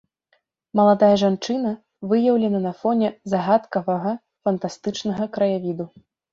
Маладая жанчына выяўлена на фоне загадкавага, фантастычнага краявіду.